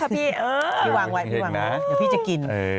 พี่วางไว้